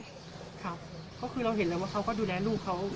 คือเราเห็นว่าเขาก็ดูแลลูกเขา